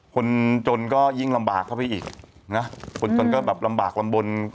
คนจนก็ยิ่งลำบากเข้าไปอีกนะคนจนก็แบบลำบากลำบล